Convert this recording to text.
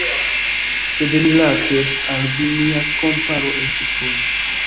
Sed rilate al vi mia komparo ne estis bona.